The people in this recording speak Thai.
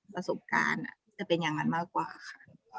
ประสบการณ์จะเป็นอย่างนั้นมากกว่าค่ะ